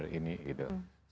khusus untuk pembelian burner ini